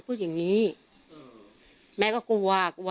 พูดอย่างงี้แม้ก็กลัวกลัวอะไรอะไรเนี้ยกลัว